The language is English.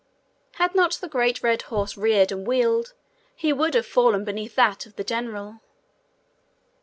Had not the great red horse reared and wheeled, he would have fallen beneath that of the general.